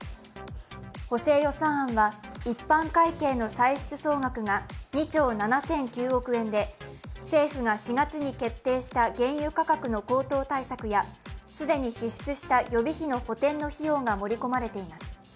補正予算案は一般会計の歳出総額が２兆７００９億円で政府が４月に決定した原油価格の高騰対策や既に支出した予備費の補填の費用が盛り込まれています。